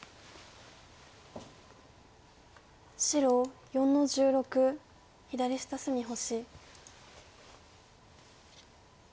白４の十六左下隅星。